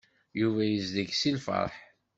Yuba yezleq seg lfeṛḥ.